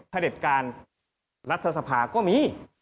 พระเด็ดการรัฐสรรพาก็มี